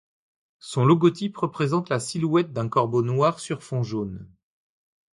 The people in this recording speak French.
Son logotype représente la silhouette d'un corbeau noir sur fond jaune.